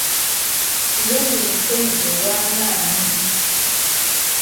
Yegu ye ssennyiga ow'amaanyi.